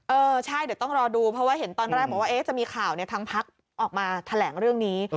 เออใช่เดี๋ยวต้องรอดูเพราะว่าเห็นตอนแรกบอกว่าจะมีข่าวทางพักออกมาแถลงเรื่องนี้